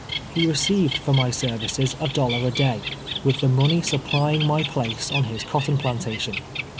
He received for my services a dollar a day, with the money supplying my place on his cotton plantation.